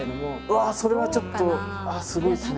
それはちょっとすごいですね。